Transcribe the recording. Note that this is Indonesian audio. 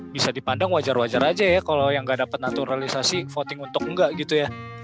bisa dipandang wajar wajar aja ya kalau yang nggak dapat naturalisasi voting untuk enggak gitu ya